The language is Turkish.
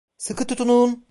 Sıkı tutunun!